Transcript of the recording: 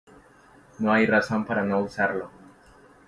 no hay razón para no usarlo.